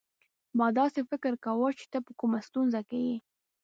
ما داسي فکر کاوه چي ته په کومه ستونزه کې يې.